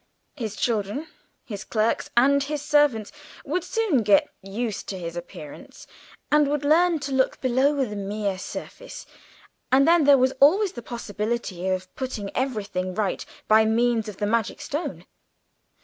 His children, his clerks, and his servants would soon get used to his appearance, and would learn to look below the mere surface, and then there was always the possibility of putting everything right by means of the magic stone.